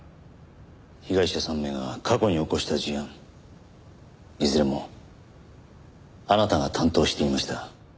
被害者３名が過去に起こした事案いずれもあなたが担当していました。